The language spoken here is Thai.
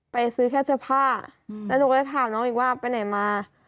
ไปซื้อแค่เสื้อผ้าแล้วหนูก็เลยถามน้องอีกว่าไปไหนมา